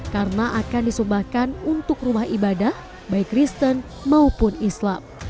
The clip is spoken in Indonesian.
karena akan disumbahkan untuk rumah ibadah baik kristen maupun islam